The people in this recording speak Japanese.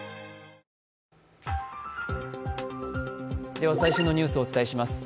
では、最新のニュースをお伝えします。